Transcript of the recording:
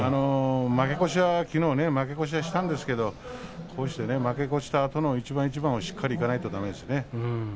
きのう負け越しはしたんですが負け越したあとの一番一番をしっかりいかないとだめですね。